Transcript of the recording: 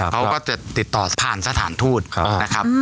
เขาก็จะติดต่อผ่านสถานทูตนะครับ